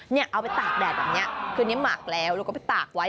เอาไปตากแดดแบบนี้คือนี้หมักแล้วแล้วก็ไปตากไว้